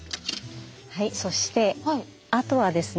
はいそしてあとはですね。